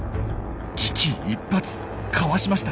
危機一髪かわしました。